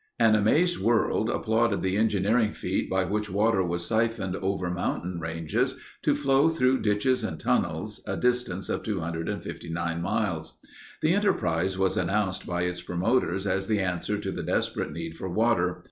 An amazed world applauded the engineering feat by which water was siphoned over mountain ranges to flow through ditches and tunnels, a distance of 259 miles. The enterprise was announced by its promoters as the answer to the desperate need for water.